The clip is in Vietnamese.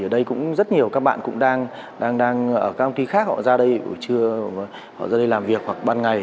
ở đây cũng rất nhiều các bạn cũng đang ở các công ty khác họ ra đây làm việc hoặc ban ngày